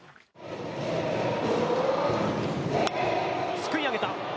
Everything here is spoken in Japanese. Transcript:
すくい上げた！